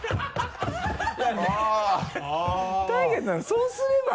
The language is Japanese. そうすれば？